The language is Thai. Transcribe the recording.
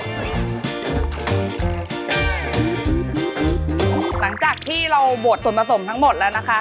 หลังจากที่เราบดส่วนผสมทั้งหมดแล้วนะคะ